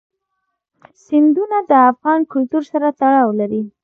سیندونه د افغان کلتور سره تړاو لري.